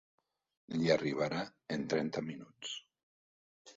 Li arribarà en trenta minuts.